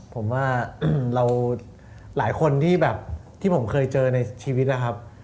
ผมว่าเราหลายคนที่แบบที่ผมเคยเจอในชีวิตนะครับ